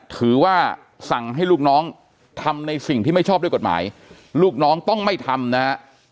ถือว่าสั่งให้ลูกน้องทำในสิ่งที่ไม่ชอบด้วยกฎหมายลูกน้องต้องไม่ทำนะฮะ